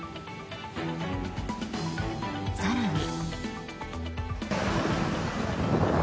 更に。